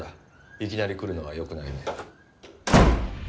いきなり来るのはよくないね。